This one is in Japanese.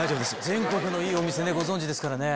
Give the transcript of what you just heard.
全国のいいお店ご存じですからね。